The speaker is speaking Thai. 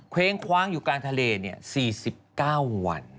เว้งคว้างอยู่กลางทะเล๔๙วัน